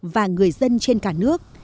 và người dân trên cả nước